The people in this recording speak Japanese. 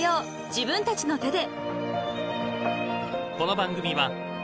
自分たちの手で］